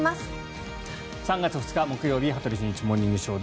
３月２日、木曜日「羽鳥慎一モーニングショー」。